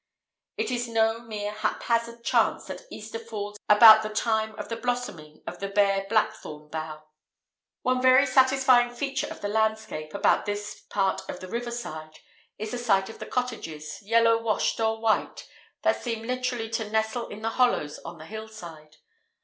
It is no mere haphazard chance that Easter falls about the time of the blossoming of the bare blackthorn bough. One very satisfying feature of the landscape, about this part of the river side, is the sight of the cottages, yellow washed or white, that seem literally to nestle in the hollows on the hillside.